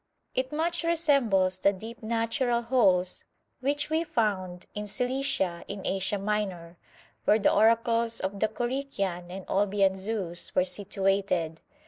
It much resembles the deep natural holes, which we found in Cilicia in Asia Minor, where the oracles of the Corycian and Olbian Zeus were situated.